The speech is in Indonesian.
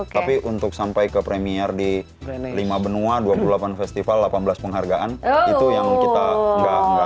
tapi untuk sampai ke premier di lima benua dua puluh delapan festival delapan belas penghargaan itu yang kita enggak